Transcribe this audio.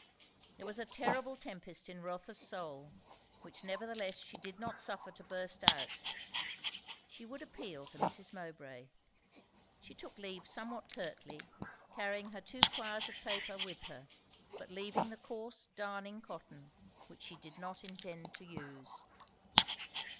There was a terrible tempest in Rotha's soul, which nevertheless she did not suffer to burst out. She would appeal to Mrs. Mowbray. She took leave somewhat curtly, carrying her two quires of paper with her, but leaving the coarse darning cotton which she did not intend to use.